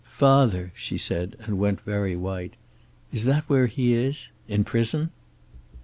"Father!" she said, and went very white. "Is that where he is? In prison?"